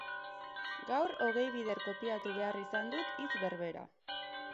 Gaur hogei bider kopiatu behar izan dut hitz berbera.